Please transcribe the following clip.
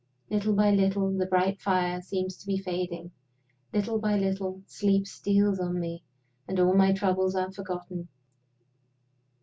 Little by little, the bright fire seems to be fading. Little by little, sleep steals on me, and all my troubles are forgotten.